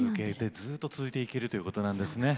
ずっと続いていけるということなんですね。